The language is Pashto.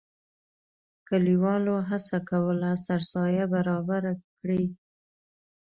کلیوالو هڅه کوله سرسایه برابره کړي.